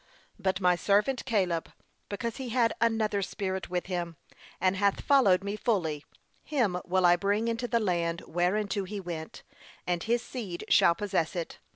'But my servant Caleb, because he had another spirit with him, and hath followed me fully, him will I bring into the land whereinto he went; and his seed shall possess it.'